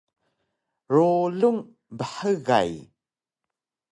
Rulung bhgay